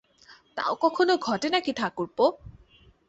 তাও কখনো ঘটে নাকি ঠাকুরপো?